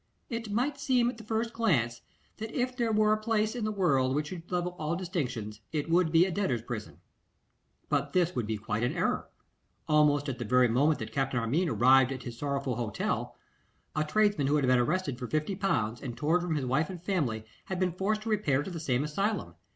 It might seem at the first glance, that if there were a place in the world which should level all distinctions, it would be a debtors' prison. But this would be quite an error. Almost at the very moment that Captain Armine arrived at his sorrowful hotel, a poor devil of a tradesman who had been arrested for fifty pounds, and torn from his wife and family, had been forced to repair to the same asylum.